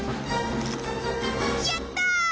やったー！